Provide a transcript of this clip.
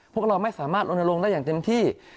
พวกเราไม่สามารถลนลงได้อย่างเต็มที่